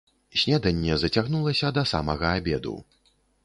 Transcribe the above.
Снеданне зацягнулася да самага абеду.